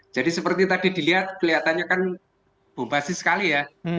jadi seperti tadi dilihat kelihatannya kan bombasi sekali ya